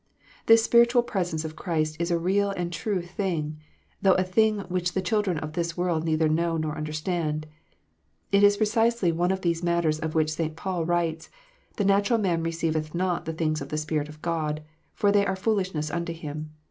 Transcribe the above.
This spiritual presence of Christ is a real and true thing, though a thing which the children of this world neither know nor understand. It is precisely one of those matters of which St. Paul writes, " The natural man receiveth not the things of the Spirit of God, for they are foolishness unto him."